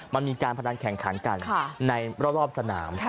มันมีการพนันแข่งขันกันในรอบสนาม